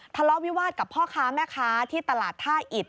ทะเลาะวิวาสกับพ่อค้าแม่ค้าที่ตลาดท่าอิด